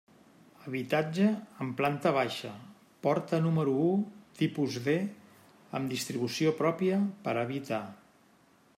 Habitatge en planta baixa, porta número u, tipus D, amb distribució pròpia per a habitar.